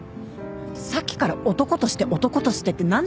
さっきから「男として男として」って何なの？